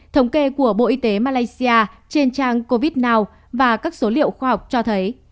thống kê của bộ y tế malaysia trên trang covidnow và các số liệu khoa học cho thấy